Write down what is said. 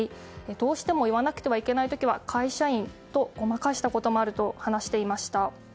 どうしても言わなくてはいけない時は会社員とごまかしたこともあると話していました。